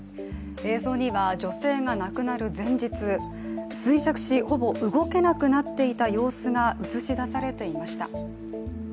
映像には女性が亡くなる前日、衰弱し、ほぼ動けなくなっていた様子が映し出されていました。